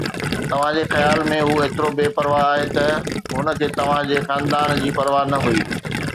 توهان جي خيال ۾، هو ايترو بي پرواهه آهي ته هن کي توهان جي خاندان جي پرواهه نه هئي